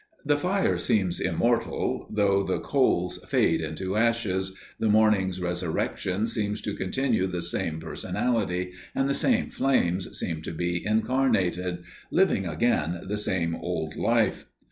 The fire seems immortal; though the coals fade into ashes, the morning's resurrection seems to continue the same personality, and the same flames seem to be incarnated living again the same old life.